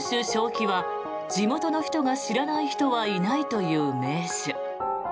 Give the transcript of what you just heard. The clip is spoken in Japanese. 亀は地元の人が知らない人はいないという名酒。